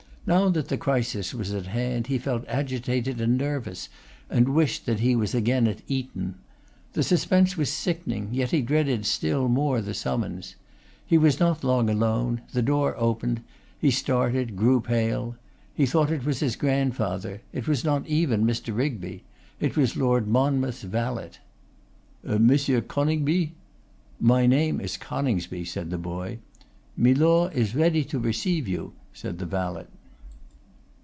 Now that the crisis was at hand, he felt agitated and nervous, and wished that he was again at Eton. The suspense was sickening, yet he dreaded still more the summons. He was not long alone; the door opened; he started, grew pale; he thought it was his grandfather; it was not even Mr. Rigby. It was Lord Monmouth's valet. 'Monsieur Konigby?' 'My name is Coningsby,' said the boy. 'Milor is ready to receive you,' said the valet.